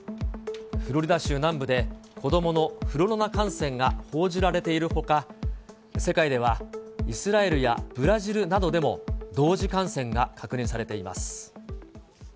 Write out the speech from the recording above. フロリダ州南部で子どものフルロナ感染が報じられているほか、世界ではイスラエルやブラジルなどでも、同時感染が確認されています。